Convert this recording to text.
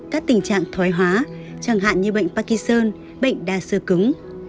các tình trạng thói hóa chẳng hạn như bệnh parkinson bệnh đa sơ cứng